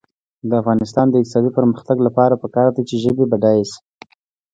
د افغانستان د اقتصادي پرمختګ لپاره پکار ده چې ژبې بډایه شي.